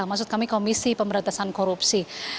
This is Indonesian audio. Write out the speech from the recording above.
maksud kami komisi pemberantasan korupsi